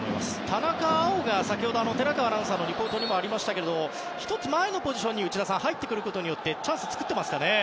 田中碧が寺川アナウンサーのリポートにもありましたが１つ前のポジションに内田さん入ってくることによってチャンスを作ってますかね。